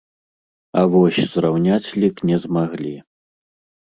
А вось зраўняць лік не змаглі.